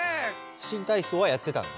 新体操はやってたの？